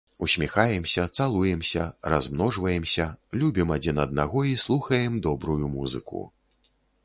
Усміхаемся, цалуемся, размножваемся, любім адзін аднаго і слухаем добрую музыку!